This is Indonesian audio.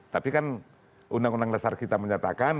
tapi kan undang undang dasar kita menyatakan